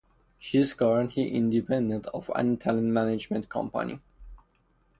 She is currently independent of any talent management company.